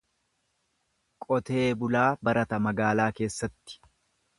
Qotee bulaa barata magaalaa keessatti.